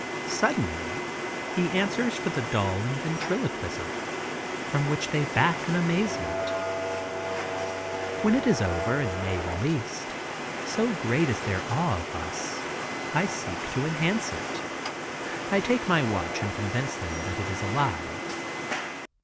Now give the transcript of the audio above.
Suddenly he answers for the doll in ventriloquism, from which they back in amazement. When it is over and Mae released, so great is their awe of us, I seek to enhance it. I take my watch and convince them it is alive.